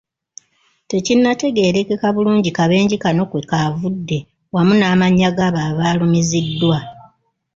Tekinnategeereka bulungi kabenje kano kwekavudde, wamu n'amannya gaabo abalumiziddwa.